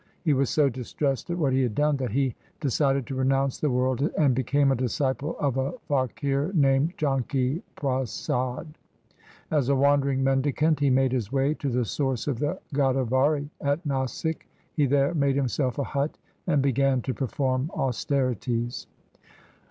He was so distressed at what he had done, that he decided to renounce the world and became a disciple of a faqir named Janki Prasad. As a wandering mendicant he made his way to the source of the Godavari at Nasik. He there made himself a hut and began to perform austerities.